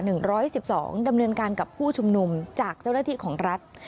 ในการดำเนินการกับผู้ชุมนุมจากเจ้าหน้าที่ของรัฐ